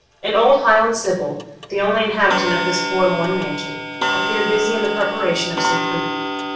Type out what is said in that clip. An old Highland sibyl, the only inhabitant of this forlorn mansion, appeared busy in the preparation of some food.